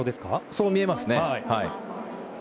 そう見えますね。